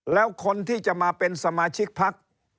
แล้วคนที่จะมาเป็นสมาชิกพัก